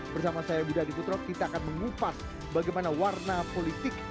bersama saya budi adiputro kita akan mengupas bagaimana warna politik